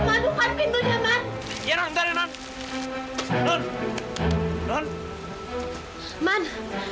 tunggu sakit arman